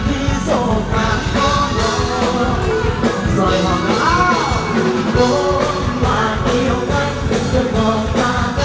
แต่คุณอกลุ่มใจเวลาเกาเยื่อนห่าง